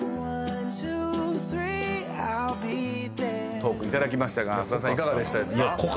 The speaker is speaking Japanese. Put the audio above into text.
トークいただきましたが菅田さんいかがでしたですか？